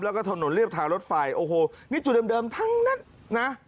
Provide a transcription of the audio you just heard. แล้วก็ถนนเรียบทางรถไฟโอ้โหนี่จุดเดิมทั้งนั้นนะ